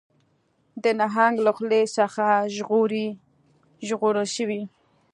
د نهنګ له خولې څخه ژغورل شوي